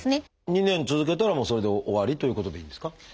２年続けたらもうそれで終わりということでいいんですか？